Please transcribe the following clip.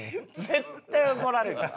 絶対怒られるよ。